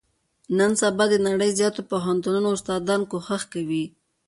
نن سبا، د نړۍ د زیاتره پوهنتونو استادان، کوښښ کوي.